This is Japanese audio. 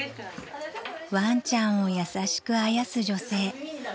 ［ワンちゃんを優しくあやす女性］